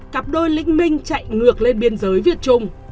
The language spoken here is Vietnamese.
cặp đôi lĩnh minh chạy ngược lên biên giới việt trung